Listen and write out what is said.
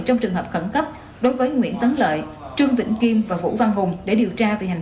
trong trường hợp khẩn cấp đối với nguyễn tấn lợi trương vĩnh kim và vũ văn hùng để điều tra về hành